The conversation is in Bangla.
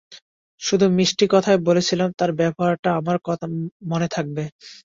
শুধু মিষ্টি কথায় বলেছিলাম, তার ব্যবহারটা আমার মনে থাকবে।